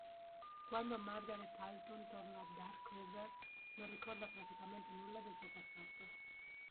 Quando "Margaret Alton" torna a Darkover, non ricorda praticamente nulla del suo passato.